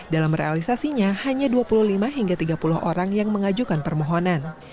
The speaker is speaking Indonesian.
dalam realisasinya hanya dua puluh lima hingga tiga puluh orang yang mengajukan permohonan